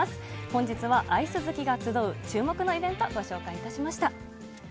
本日はアイス好きが集う注目のイベントをご紹介いたしました。